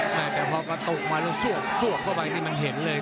แต่พอกระตุกมาแล้วสวกเข้าไปนี่มันเห็นเลย